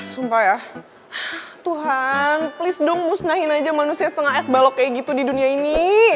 supaya tuhan please dong musnahin aja manusia setengah es balok kayak gitu di dunia ini